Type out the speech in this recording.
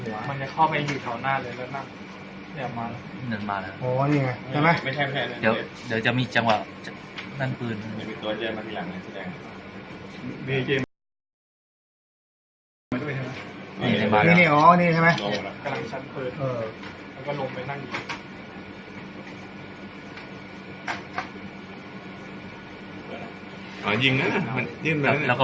มันจะเข้าไปถึงข้างหน้าเลยแล้วนั่งนั่งมาแล้ว